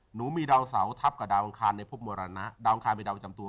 หนูมีดาวเสาทับกับดาวอังคารในพบมรณะดาวอังคารเป็นดาวประจำตัว